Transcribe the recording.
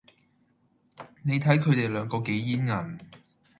你睇佢地兩個幾煙韌